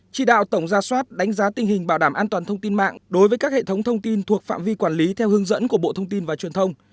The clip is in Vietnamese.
chỉ đạo tổng gia soát đánh giá tình hình bảo đảm an toàn thông tin mạng đối với các hệ thống thông tin thuộc phạm vi quản lý theo hướng dẫn của bộ thông tin và truyền thông